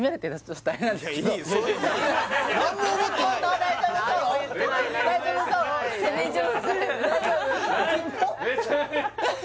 大丈夫？